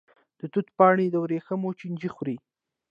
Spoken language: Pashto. د توت پاڼې د وریښمو چینجی خوري.